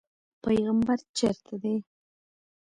پیغمبر چېرته دی.